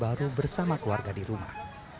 dan baru bersama keluarga di rumah